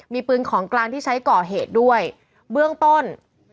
มีปืนของกลางที่ใช้ก่อเหตุด้วยเบื้องต้น